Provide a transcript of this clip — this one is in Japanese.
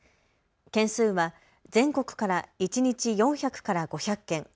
件数は全国から一日４００から５００件。